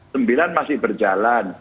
sembilan masih berjalan